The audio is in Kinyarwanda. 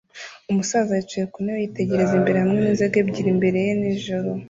Umusaza yicaye ku ntebe yitegereza imbere hamwe n'inzoga ebyiri imbere ye nijoro